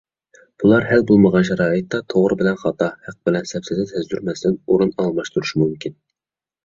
بۇلار ھەل بولمىغان شارائىتتا توغرا بىلەن خاتا، ھەق بىلەن سەپسەتە سەزدۇرمەستىن ئورۇن ئالماشتۇرۇشى مۇمكىن.